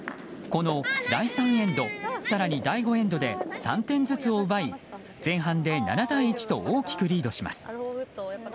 この第３エンド更に第５エンドで３点ずつを奪い、前半で７対１と大きくリードします。